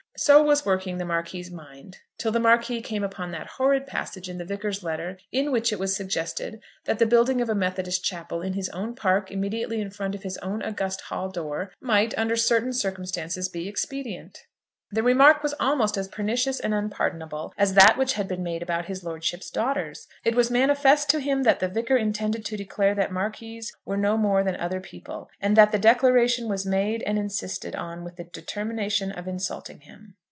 So was working the Marquis's mind, till the Marquis came upon that horrid passage in the Vicar's letter, in which it was suggested that the building of a Methodist chapel in his own park, immediately in front of his own august hall door might under certain circumstances be expedient. The remark was almost as pernicious and unpardonable as that which had been made about his lordship's daughters. It was manifest to him that the Vicar intended to declare that marquises were no more than other people, and that the declaration was made and insisted on with the determination of insulting him.